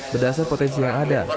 berdasar potensi yang ada